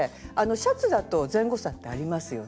シャツだと前後差ってありますよね。